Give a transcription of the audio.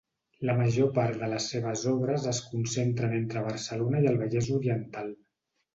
La major part de les seves obres es concentren entre Barcelona i el Vallès Oriental.